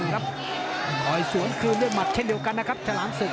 ต่อยสวนคืนด้วยหมัดเช่นเดียวกันนะครับฉลามศึก